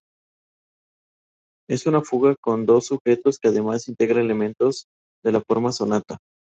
Es una fuga con dos sujetos que además integra elementos de la forma sonata.